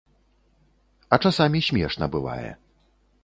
А часамі смешна бывае.